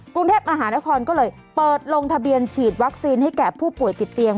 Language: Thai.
กรุงเทพมหานครก็เลยเปิดลงทะเบียนฉีดวัคซีนให้แก่ผู้ป่วยติดเตียง